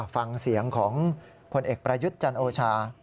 ฟังเสียงของผลเอกประยุทธ์จันโอชา